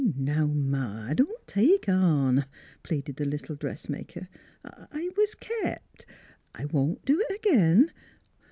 " Now, Ma, don't take on," pleaded the little dressmaker. " I I was kep'. I won't do it ag'in.